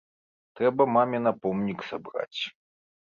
Трэба маме на помнік сабраць.